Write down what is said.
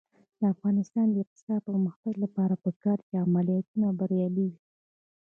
د افغانستان د اقتصادي پرمختګ لپاره پکار ده چې عملیاتونه بریالي وي.